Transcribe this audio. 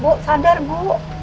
bu sarah sadar bu